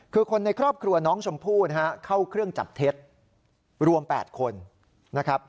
คือคนในครอบครัวน้องชมพู่นะฮะเข้าเครื่องจับเท็จรวม๘คนนะครับ